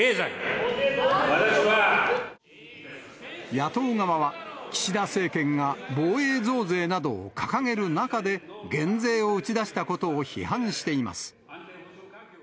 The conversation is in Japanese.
野党側は岸田政権が防衛増税などを掲げる中で減税を打ち出したことを批判しています。